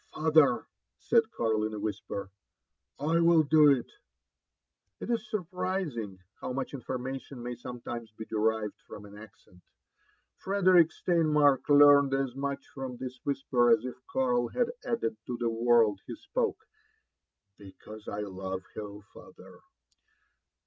*' Father! " said Karl in a whisper, "I will do it." It is surprising how much information may sometimes be derived from an accent. Frederick Steinmark learned as much from this whisper as if Earl had added to the words he spoke ^" because I love her, father